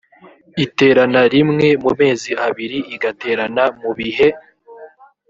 iterana rimwe mumezi abiri igaterana mu bihe